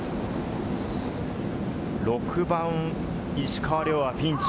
６番、石川遼はピンチ。